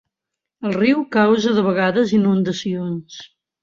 El riu causa de vegades inundacions.